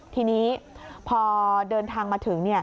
ทีนี้พอเดินทางมาถึง